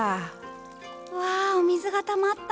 わお水がたまった。